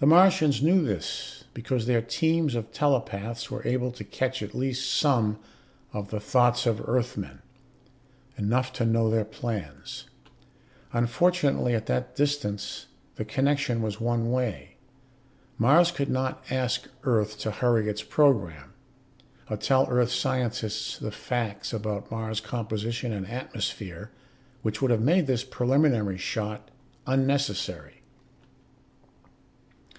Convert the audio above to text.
The Martians knew this, because their teams of telepaths were able to catch at least some of the thoughts of Earthmen, enough to know their plans. Unfortunately, at that distance, the connection was one way. Mars could not ask Earth to hurry its program. Or tell Earth scientists the facts about Mars' composition and atmosphere which would have made this preliminary shot unnecessary.